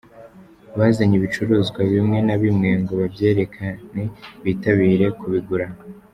Bazanye ibicuruzwa bimwe na bimwe ngo babyerekane bitabire kubigura.